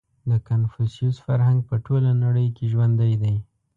• د کنفوسیوس فرهنګ په ټوله نړۍ کې ژوندی دی.